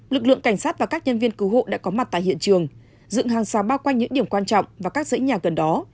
lực lượng cảnh sát và các nhân viên cứu hộ đã có mặt tại hiện trường dựng hàng rào bao quanh những điểm quan trọng và các dãy nhà gần đó